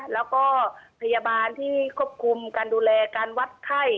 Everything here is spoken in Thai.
แล้วก็พยาบาลที่ควบคุมการดูแลการวัดไข้